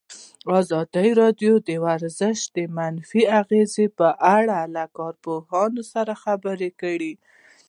ازادي راډیو د ورزش د منفي اغېزو په اړه له کارپوهانو سره خبرې کړي.